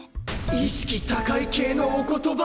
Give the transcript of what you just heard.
意識高い系のお言葉！